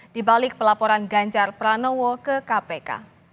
dibalik pelaporan ganjar pranowo ke kpk